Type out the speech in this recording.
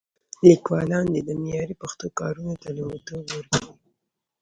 لیکوالان دې د معیاري پښتو کارونو ته لومړیتوب ورکړي.